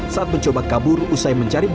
saat mencoba kabur usai mencari barang bukti